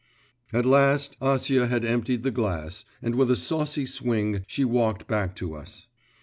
At last, Acia had emptied the glass, and with a saucy swing she walked back to us.